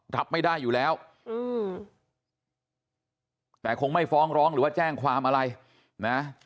รับไม่ได้อยู่แล้วอืมแต่คงไม่ฟ้องร้องหรือว่าแจ้งความอะไรนะ